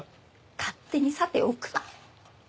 勝手にさておくな。